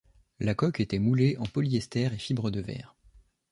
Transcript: La coque était moulée en polyester et fibre de verre.